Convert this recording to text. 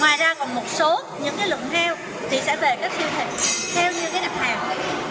ngoài ra còn một số lượng heo thì sẽ về các siêu thị heo như đặc hàng